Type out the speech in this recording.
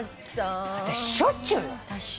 私しょっちゅうよ。